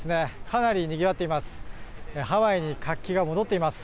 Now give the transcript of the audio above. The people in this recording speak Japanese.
かなり、にぎわっています。